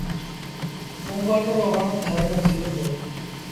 ڪُونڀٽ رو وڻ ٿر ميݩ ٿئي دو۔